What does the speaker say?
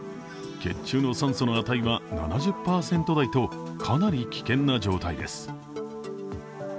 血中の酸素の値は７０％台とかなり危険な状態です。